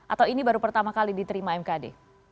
atau ini baru pertama kali diterima mkd